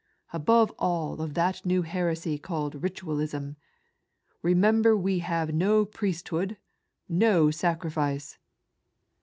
above all of that new heresy called Ritualism ! remember we have no priesthood, no sacrifice."